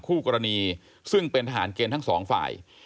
คู่กรณีซึ่งเป็นทหารเกณฑ์ทั้งสองฝ่าย